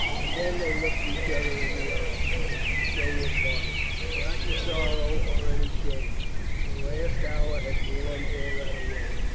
Again they looked in each other's eyes, and so were parted. Not in sorrow or any shame. The last hour had worn all that away.